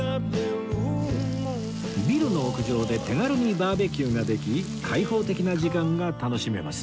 ビルの屋上で手軽にバーベキューができ開放的な時間が楽しめます